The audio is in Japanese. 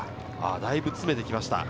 だいぶ詰めてきました。